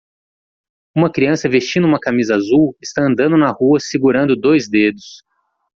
Uma criança vestindo uma camisa azul está andando na rua segurando dois dedos.